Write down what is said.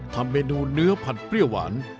ทำเมนูเนื้อผัดเปรี้ยวหวาน